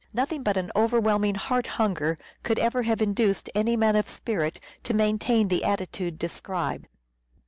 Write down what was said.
Nothing but an overwhelming heart hunger could ever have induced any man of spirit to maintain the attitude described.